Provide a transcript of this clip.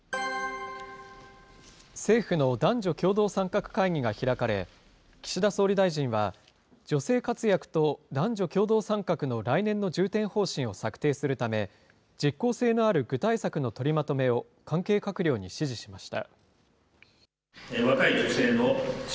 政府の男女共同参画会議が開かれ、岸田総理大臣は、女性活躍と男女共同参画の来年の重点方針を策定するため、実効性のある具体策の取りまとめを関係閣僚に指示しました。